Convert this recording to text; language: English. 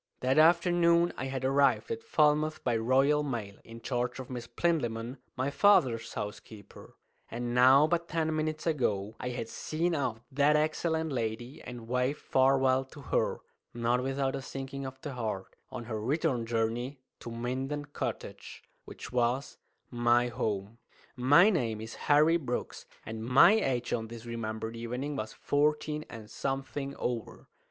That afternoon I had arrived at Falmouth by Royal Mail, in charge of Miss Plinlimmon, my father's housekeeper; and now but ten minutes ago I had seen off that excellent lady and waved farewell to her not without a sinking of the heart on her return journey to Minden Cottage, which was my home. My name is Harry Brooks, and my age on this remembered evening was fourteen and something over.